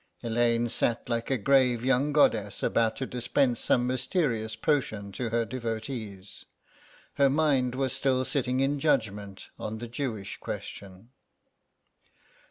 Elaine sat like a grave young goddess about to dispense some mysterious potion to her devotees. Her mind was still sitting in judgment on the Jewish question.